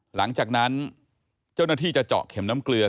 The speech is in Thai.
หลังจากนั้นเจ้าหน้าที่จะเจาะเข็มน้ำเกลือ